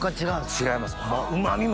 違います。